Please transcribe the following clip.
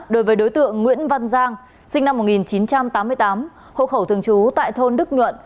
đối với đối tượng nguyễn văn giang sinh năm một nghìn chín trăm tám mươi tám hộ khẩu thường trú tại thôn đức nhuận